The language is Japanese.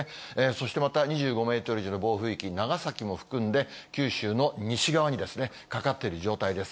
そしてまた２５メートル以上の暴風域、長崎も含んで、九州の西側にかかっている状態です。